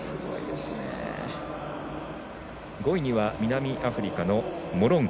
５位には南アフリカのモロンゴ。